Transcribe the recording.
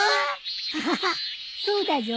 アハハそうだじょ。